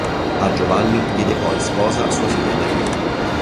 A Giovanni diede poi in sposa sua figlia Maria.